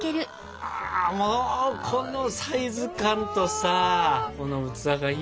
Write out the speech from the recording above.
もうこのサイズ感とさこの器がいいよね！